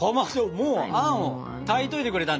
もうあんを炊いといてくれたんだ？